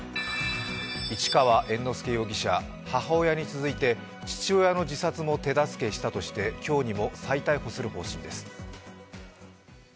市川猿之助容疑者、母親に続いて父親の自殺も手助けしたとして今日にも再逮捕する方針です。